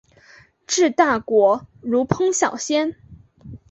治大国如烹小鲜。